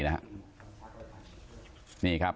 นะฮะนี่ครับ